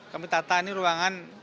kami tata ini ruangan